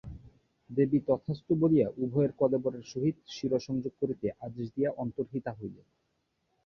দেবী তথাস্তু বলিয়া উভয়ের কলেবরের সহিত শিরঃসংযোগ করিতে আদেশ দিয়া অন্তর্হিতা হইলেন।